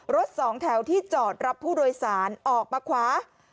สองแถวที่จอดรับผู้โดยสารออกมาขวา